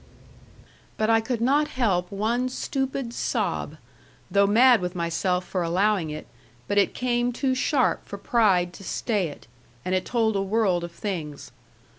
But I could not help one stupid sob, though mad with myself for allowing it, but it came too sharp for pride to stay it, and it told a world of things.